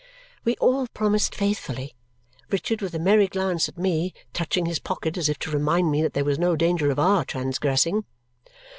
We all promised faithfully, Richard with a merry glance at me touching his pocket as if to remind me that there was no danger of OUR transgressing.